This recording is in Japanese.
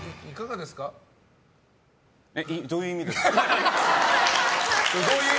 どういう意味ですか？